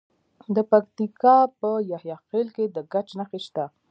د پکتیکا په یحیی خیل کې د ګچ نښې شته.